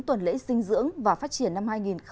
tuần lễ dinh dưỡng và phát triển năm hai nghìn hai mươi